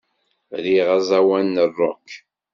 Riɣ aẓawan n rock.